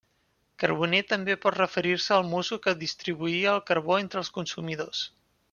Carboner també pot referir-se al mosso que distribuïa el carbó entre els consumidors.